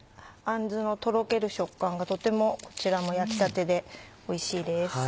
あんずのとろける食感がとてもこちらも焼きたてでおいしいです。